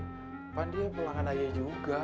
bapak dia pelanggan ayah juga